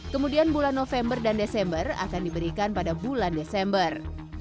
kemudian bulan november dan desember akan diberikan pada bulan desember